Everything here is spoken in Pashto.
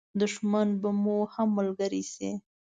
دښمن به مو هم ملګری شي.